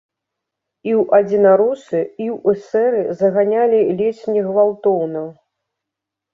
І ў адзінаросы і ў эсэры заганялі ледзь не гвалтоўна.